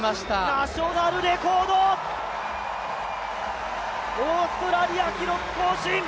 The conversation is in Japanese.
ナショナルレコード、オーストラリア記録更新。